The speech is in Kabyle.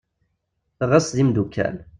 Ɣes d imddukal.